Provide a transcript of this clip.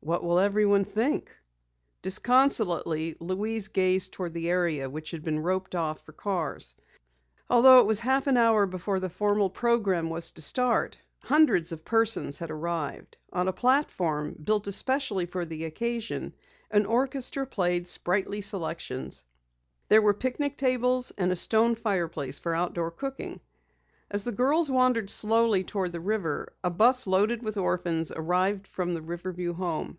What will everyone think?" Disconsolately, Louise gazed toward the area which had been roped off for cars. Although it was half an hour before the formal program was to start, hundreds of persons had arrived. On a platform, built especially for the occasion, an orchestra played spritely selections. There were picnic tables and a stone fireplace for outdoor cooking. As the girls wandered slowly toward the river, a bus loaded with orphans arrived from the Riverview Home.